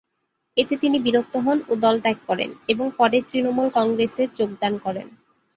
এতে তিনি বিরক্ত হন ও দল ত্যাগ করেন এবং পরে তৃণমূল কংগ্রেসে যোগদান করেন।